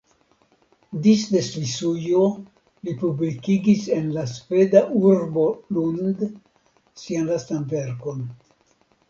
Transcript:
Disde Svisujo li publikigis en la sveda urbo Lund sian lastan verkon.